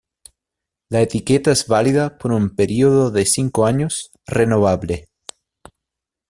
La etiqueta es válida por un periodo de cinco años, renovable.